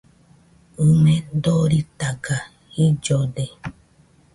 ɨme doritaga jillode